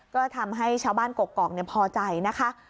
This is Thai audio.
ก็ทำให้ชาวบ้านกกอกพอใจนะคะ